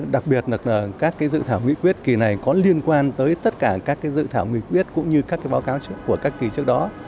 đặc biệt là các dự thảo nghị quyết kỳ này có liên quan tới tất cả các dự thảo nghị quyết cũng như các báo cáo của các kỳ trước đó